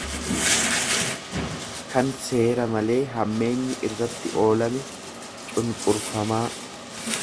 kan seera malee hammeenyi irratti oolame, cunqurfamaa.